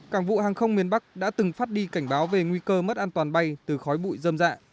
cảng vụ hàng không miền bắc đã từng phát đi cảnh báo về nguy cơ mất an toàn bay từ khói bụi dâm dạ